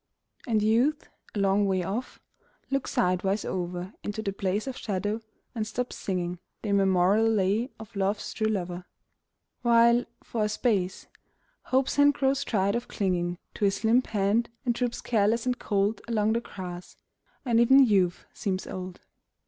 And Youth, a long way off, looks sidewise over Into the place of shadow, and stops singing The immemorial lay of Love's true lover; While, for a space, Hope's hand grows tried of clinging To his limp hand, and droops careless and cold Along the grass — and even Youth seems old.